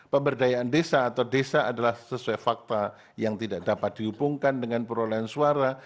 pemberdayaan desa atau desa adalah sesuai fakta yang tidak dapat dihubungkan dengan perolehan suara